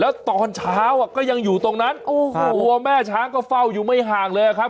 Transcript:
แล้วตอนเช้าอ่ะก็ยังอยู่ตรงนั้นโอ้โหตัวแม่ช้างก็เฝ้าอยู่ไม่ห่างเลยครับ